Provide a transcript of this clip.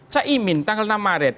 caimin tanggal enam maret